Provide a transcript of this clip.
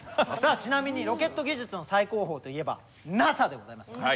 ちなみにロケット技術の最高峰といえばＮＡＳＡでございますよね。